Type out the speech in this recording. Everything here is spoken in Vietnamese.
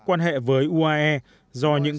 quan hệ với uae do những